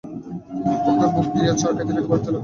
অক্ষয় মুখ ধুইয়া চা খাইতে খাইতে ভাবিতে লাগিল।